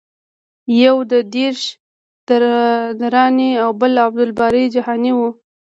یو د درویش دراني او بل د عبدالباري جهاني و.